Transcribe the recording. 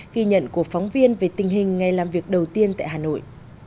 ghi nhận của phóng viên về tình hình ngày làm việc đầu tiên tại hà nội